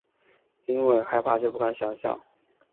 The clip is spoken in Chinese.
因为害怕就不敢想像